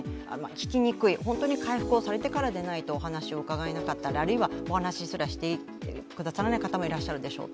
聞きにくい、本当に回復をされてからでないとお話を伺えなかったり、あるいはお話すらしてくださらない方もいるでしょう。